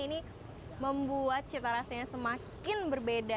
ini membuat cita rasanya semakin berbeda